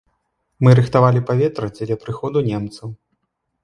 Мы рыхтавалі паветра дзеля прыходу немцаў.